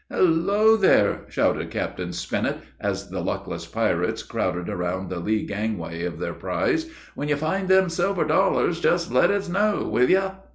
"Halloa, there!" shouted Captain Spinnet, as the luckless pirates crowded around the lee gangway of their prize, "when you find them silver dollars, just let us know, will you?"